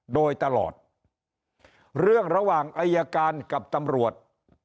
โดยตลอดเรื่องระหว่างอายการกับตำรวจ